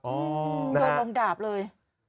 โอ้โหโดนลงดาบเลย